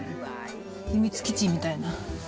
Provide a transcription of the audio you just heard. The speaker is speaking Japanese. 秘密基地みたいな。